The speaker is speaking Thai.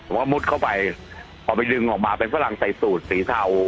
ว่ามุดเข้าไปพอไปดึงออกมาเป็นฝรั่งใส่สูตรสีเทา